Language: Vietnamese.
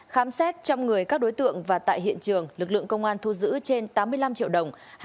khám xét trong người các đối tượng và tại hiện trường lực lượng công an thu giữ trên tám mươi năm triệu đồng